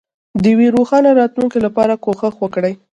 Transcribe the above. د یوې روښانه راتلونکې لپاره کوښښ وکړئ.